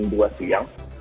jam dua siang